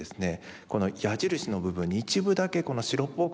この矢印の部分に一部だけこの白っぽく残ってるところ。